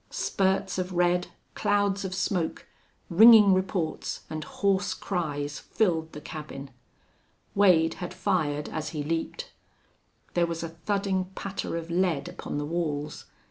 Spurts of red, clouds of smoke, ringing reports, and hoarse cries filled the cabin. Wade had fired as he leaped. There was a thudding patter of lead upon the walls.